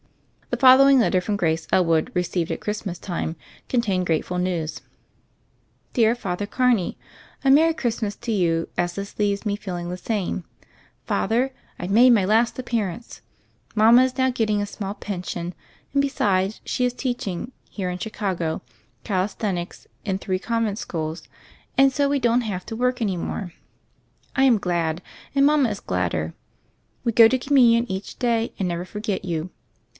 The following letter from Grace Elwood, re ceived at Christmas time, contained grateful news : "Dear Father Carney : A Merry Christ mas to you as this leaves me feeling the same. Father, I've made my last appearance 1 Mama is now getting a small pension, and besides she is teaching, here in Chicago, calisthenics in three convent schools, and so we don't have to work any more. I am glad, and mama is gladder. We go to Communion each day and never forget you.